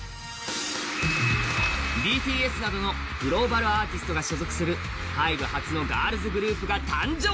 ＢＴＳなどのグローバルグループが所属するＨＹＢＥ初のガールズグループが誕生。